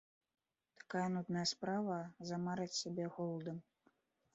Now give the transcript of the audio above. Такая нудная справа, замарыць сябе голадам!